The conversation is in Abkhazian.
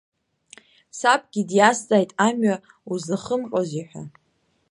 Сабгьы диазҵааит амҩа узлахымҟьозеи ҳәа.